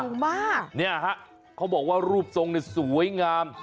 มากเนี่ยฮะเขาบอกว่ารูปทรงเนี่ยสวยงาม